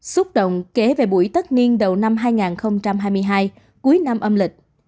xúc động kể về buổi tất niên đầu năm hai nghìn hai mươi hai cuối năm âm lịch